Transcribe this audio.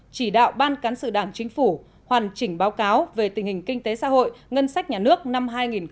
chỉ đạo ban cán sự đảng chính phủ hoàn chỉnh báo cáo về tình hình kinh tế xã hội ngân sách nhà nước năm hai nghìn một mươi tám